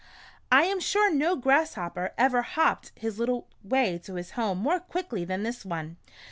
I am sure no grasshopper ever hopped his little way to his home more quickly than this one.